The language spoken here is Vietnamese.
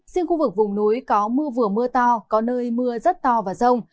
riêng khu vực vùng núi có mưa vừa mưa to có nơi mưa rất to và rông